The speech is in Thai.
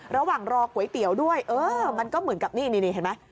ระหว่างรอก๋วยเตี๋ยวด้วยเออมันก็เหมือนกับนี่เห็นไหม